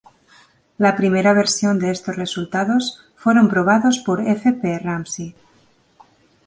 La primera versión de estos resultados fueron probados por F. P. Ramsey.